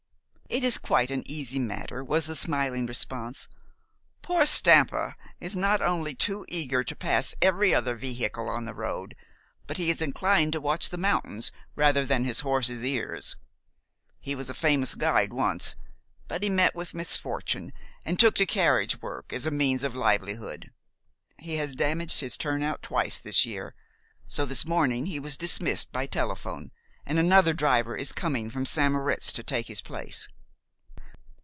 "It is quite an easy matter," was the smiling response. "Poor Stampa is not only too eager to pass every other vehicle on the road, but he is inclined to watch the mountains rather than his horses' ears. He was a famous guide once; but he met with misfortune, and took to carriage work as a means of livelihood. He has damaged his turnout twice this year; so this morning he was dismissed by telephone, and another driver is coming from St. Moritz to take his place."